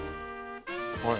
はい。